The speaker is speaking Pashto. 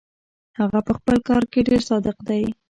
هغه پهخپل کار کې ډېر صادق دی.